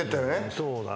そうだね。